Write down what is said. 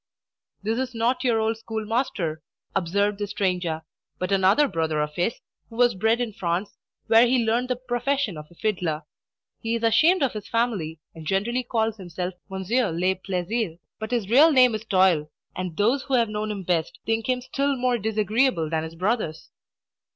"This is not your old schoolmaster," observed the stranger, "but another brother of his, who was bred in France, where he learned the profession of a fiddler. He is ashamed of his family, and generally calls himself Monsieur le Plaisir; but his real name is Toil, and those who have known him best think him still more disagreeable than his brothers."